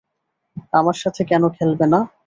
আমার সাথে কেন খেলবে না?